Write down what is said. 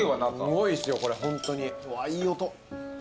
うわいい音。